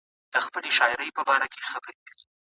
زه هیڅکله په خپل کار کي تېروتنه نه کوم.